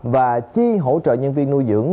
và chi hỗ trợ nhân viên nuôi dưỡng